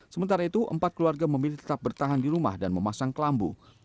sementara itu empat keluarga memilih tetap bertahan di rumah dan memasang kelambu